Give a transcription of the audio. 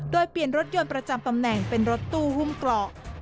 โดยเปลี่ยนรถยนต์ประจำตำแหน่งเป็นรถตู้หุ้มเกราะ